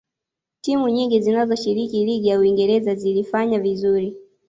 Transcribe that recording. timu nyingi zinazoshiriki ligi ya uingereza zilifanya vizuri